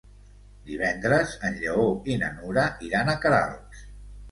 Divendres en Lleó i na Nura iran a Queralbs.